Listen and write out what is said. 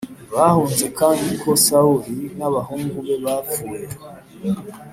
bahunze kandi ko Sawuli nabahungu be bapfuye